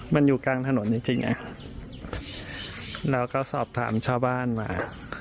มันอยู่กลางถนนจริงจริงไงเราก็สอบถามชาวบ้านมา